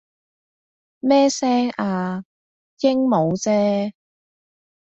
咩聲啊？鸚鵡啫